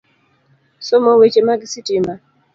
Somo weche mag sitima,